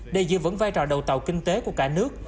đây giữ vẫn vai trò đầu tàu kinh tế của cả nước